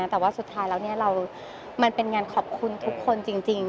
แต่ว่าสุดท้ายแล้วมันเป็นงานขอบคุณทุกคนจริง